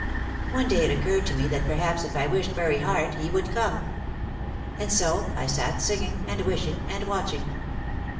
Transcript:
One day it occurred to me that perhaps if I wished very hard he would come. And so I sat singing, and wishing, and watching.